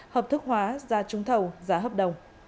hợp thức hóa giá trúng thầu giá hợp đồng